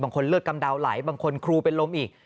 บางคนเลิศกำดาวน์ไหลบางคนครูเป็นลมอีก